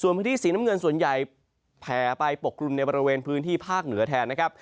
พื้นที่สีน้ำเงินส่วนใหญ่แผ่ไปปกกลุ่มในบริเวณพื้นที่ภาคเหนือแทนนะครับ